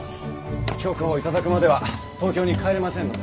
許可を頂くまでは東京に帰れませんので。